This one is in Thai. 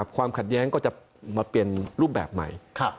ความขัดแย้งก็จะมาเปลี่ยนรูปแบบใหม่